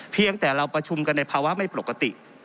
เพียงแต่เราประชุมกันในภาวะไม่ปกติ